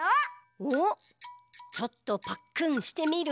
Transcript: おっちょっとパックンしてみる？